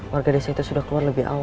warga desa itu sudah keluar lebih awal